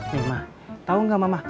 nih ma tau gak mama